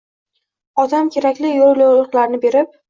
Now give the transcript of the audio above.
Otam kerakli yo’l-yo’riqlarni berib: